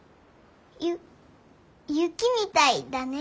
ゆ雪みたいだね。